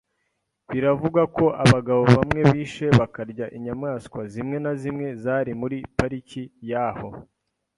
Biravugwa ko abagabo bamwe bishe bakarya inyamaswa zimwe na zimwe zari muri pariki yaho.